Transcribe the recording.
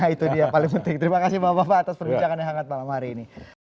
nah itu dia paling penting terima kasih bapak bapak atas perbincangan yang hangat malam hari ini